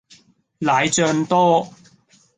奶醬多